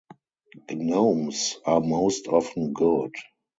Gnomes are most often good.